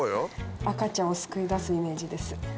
赤ちゃんをすくい出すイメージですよね。